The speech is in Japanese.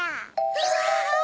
うわ！